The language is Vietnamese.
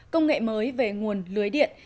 công nghệ mới về nguồn lưới điện